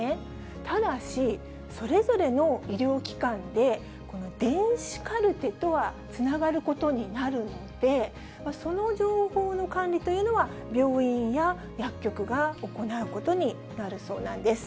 ただし、それぞれの医療機関で、この電子カルテとはつながることになるので、その情報の管理というのは、病院や薬局が行うことになるそうなんです。